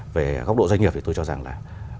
về góc độ doanh nghiệp thì tôi cho rằng là